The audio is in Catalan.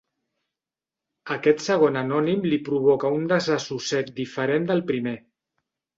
Aquest segon anònim li provoca un desassossec diferent del primer.